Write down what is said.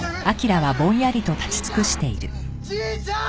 じいちゃん！